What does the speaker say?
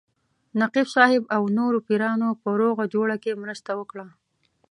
نقیب صاحب او نورو پیرانو په روغه جوړه کې مرسته وکړه.